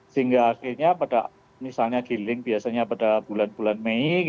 sehingga akhirnya pada misalnya giling biasanya pada bulan bulan mei